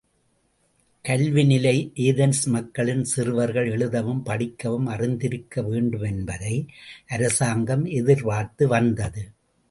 கல்வி நிலை ஏதென்ஸ் மக்களின் சிறுவர்கள் எழுதவும் படிக்கவும் அறிந்திருக்க வேண்டுமென்பதை அரசாங்கம் எதிர்பார்த்து வந்தது.